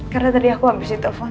karena tadi aku habis di telpon